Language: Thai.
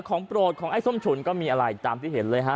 โปรดของไอ้ส้มฉุนก็มีอะไรตามที่เห็นเลยฮะ